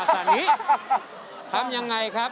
กับพอรู้ดวงชะตาของเขาแล้วนะครับ